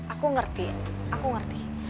aku ngerti aku ngerti